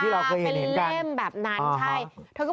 เป็นเล่มแบบนั้น